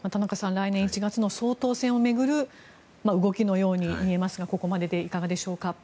来年１月の総統選を巡る動きのように見えますがここまででどうでしょうか。